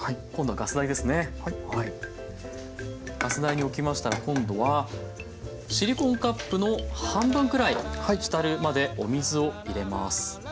ガス台に置きましたら今度はシリコンカップの半分くらい浸るまでお水を入れます。